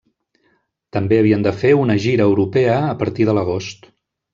També havien de fer una gira europea a partir de l'agost.